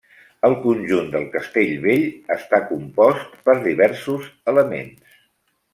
El conjunt del Castellvell està compost per diversos elements.